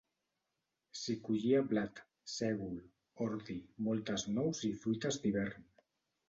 S'hi collia blat, sègol, ordi, moltes nous i fruites d'hivern.